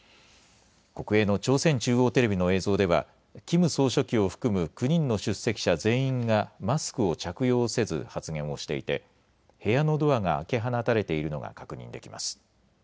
国営の朝鮮中央テレビの映像ではキム総書記を含む９人の出席者全員がマスクを着用せず発言をしていて部屋のドアが開け放たれているのが確認できます。